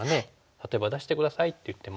例えば「出して下さい」って言っても。